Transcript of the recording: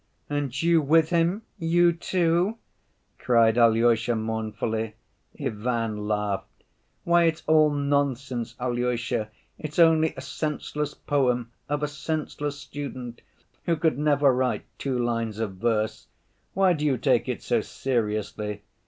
"And you with him, you too?" cried Alyosha, mournfully. Ivan laughed. "Why, it's all nonsense, Alyosha. It's only a senseless poem of a senseless student, who could never write two lines of verse. Why do you take it so seriously?